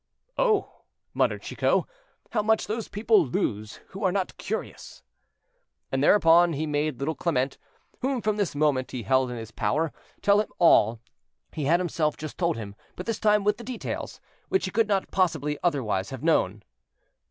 "Oh!" muttered Chicot, "how much those people lose who are not curious!" And thereupon he made little Clement, whom from this moment he held in his power, tell him all he had himself just told him, but this time with the details, which he could not possibly otherwise have known.